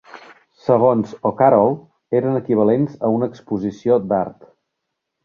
Segons O'Carroll, eren equivalents a una exposició d'art.